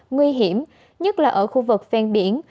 nguy hiểm nhất là ở khu vực ven biển